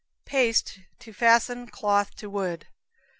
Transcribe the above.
Paste to Fasten Cloth to Wood.